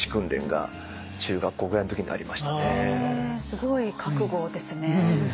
すごい覚悟ですね。